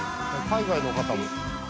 海外の方も。